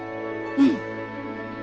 うん。